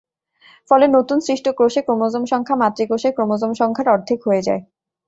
ফলে নতুন সৃষ্ট কোষে ক্রোমোজোম সংখ্যা মাতৃকোষের ক্রোমোজোম সংখ্যার অর্ধেক হয়ে যায়।